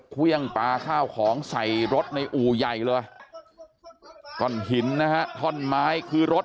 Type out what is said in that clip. เครื่องปลาข้าวของใส่รถในอู่ใหญ่เลยก้อนหินนะฮะท่อนไม้คือรถ